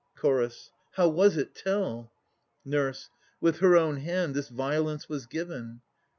CH. How was it? Tell! NUR. With her own hand this violence was given.